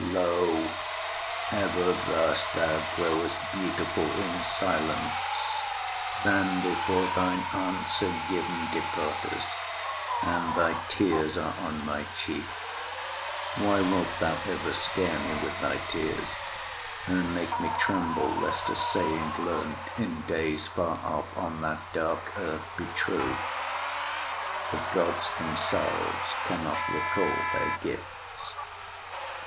Lo! ever thus thou growest beautiful In silence, then before thine answer given Departest, and thy tears are on my cheek. Why wilt thou ever scare me with thy tears, And make me tremble lest a saying learnt, In days far off, on that dark earth, be true? 'The Gods themselves cannot recall their gifts.'